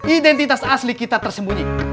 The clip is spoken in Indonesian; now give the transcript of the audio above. identitas asli kita tersembunyi